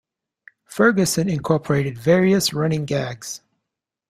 Ferguson incorporated various running gags.